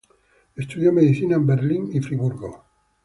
Estudió medicina en Berlín y Friburgo.